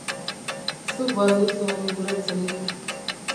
Zuk ba al duzu hori ulertzerik?